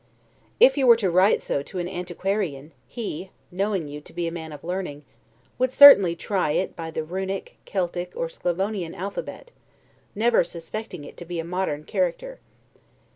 If you were to write so to an antiquarian, he (knowing you to be a man of learning) would certainly try it by the Runic, Celtic, or Sclavonian alphabet, never suspecting it to be a modern character.